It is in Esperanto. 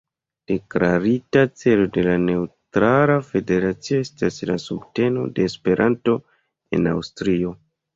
Deklarita celo de la neŭtrala federacio estas la subteno de Esperanto en Aŭstrio.